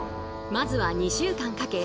まずは２週間かけ